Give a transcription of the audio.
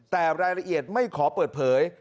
แต่รายละเอียดไม่ขอเปิดเผย